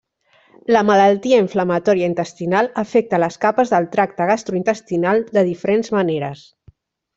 La malaltia inflamatòria intestinal afecta les capes del tracte gastrointestinal de diferents maneres.